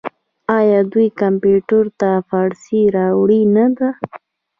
آیا دوی کمپیوټر ته فارسي راوړې نه ده؟